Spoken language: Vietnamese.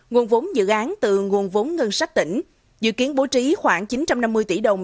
nguồn vốn dự án từ nguồn vốn ngân sách tỉnh dự kiến bố trí khoảng chín trăm năm mươi tỷ đồng